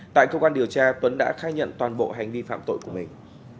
tại cơ quan điều tra tuấn đã khai nhận toàn bộ hành vi phạm tội của mình